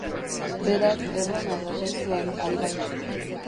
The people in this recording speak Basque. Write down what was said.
Berak errona edaten zuen albait.